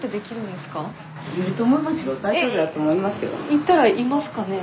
行ったらいますかね。